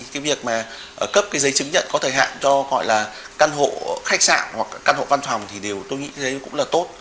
cái việc mà cấp cái giấy chứng nhận có thời hạn cho gọi là căn hộ khách sạn hoặc căn hộ văn phòng thì đều tôi nghĩ cũng là tốt